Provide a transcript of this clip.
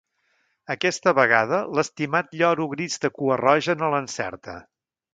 Aquesta vegada l'estimat lloro gris de cua roja no l'encerta.